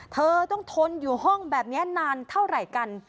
เธอต้องทนอยู่ห้องแบบนี้นานเท่าไหร่กัน